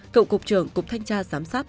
cộng cục trường cục thanh tra giám sát